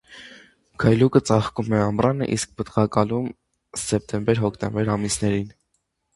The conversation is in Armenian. Գայլուկը ծաղկում է ամռանը, իսկ պտղակալում՝ սեպտեմբեր֊հոկտեմբեր ամիսներին։